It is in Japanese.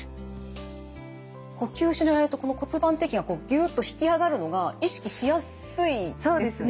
呼吸しながらやるとこの骨盤底筋がこうギュッと引き上がるのが意識しやすいですね。